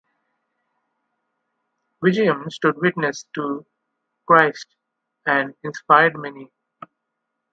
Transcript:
Vijayam stood witness to Christ and inspired many.